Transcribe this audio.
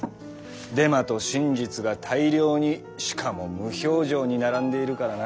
デマと真実が大量にしかも無表情に並んでいるからな。